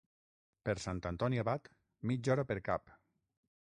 Per Sant Antoni Abat, mitja hora per cap.